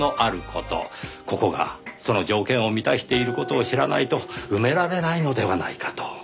ここがその条件を満たしている事を知らないと埋められないのではないかと。